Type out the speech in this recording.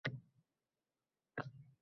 Lekin Jamol qimirlamadi